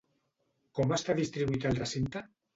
Com està distribuït el recinte?